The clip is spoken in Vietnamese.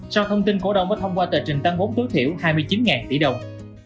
sau thông tin cổ đông mới thông qua tờ trình tăng vốn tối thiểu hai mươi chín tỷ đồng